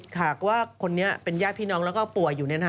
หากว่าคนนี้เป็นญาติพี่น้องแล้วก็ป่วยอยู่